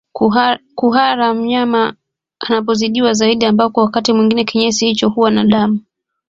Kuhara mnyama anapozidiwa zaidi ambako wakati mwingine kinyesi hicho huwa na damu